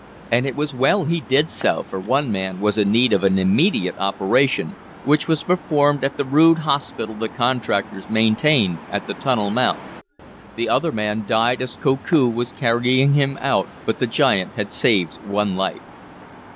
And it was well he did so, for one man was in need of an immediate operation, which was performed at the rude hospital the contractors maintained at the tunnel mouth. The other man died as Koku was carrying him out, but the giant had saved one life.